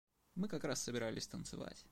Мы как раз собирались танцевать.